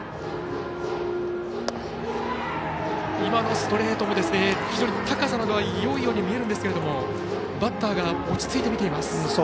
今のストレートも高さなどはよいように見えるんですがバッターが落ち着いて見ています。